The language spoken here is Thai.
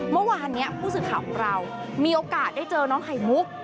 เมื่อวานนี้ผู้สื่อข่าวของเรามีโอกาสได้เจอน้องไข่มุก